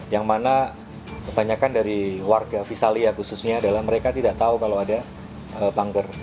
yang mana kebanyakan dari warga visalia khususnya adalah mereka tidak tahu kalau ada punker